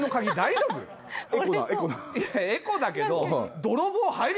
いやエコだけど。